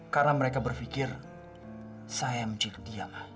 karena mereka berpikir saya mencintai dia ma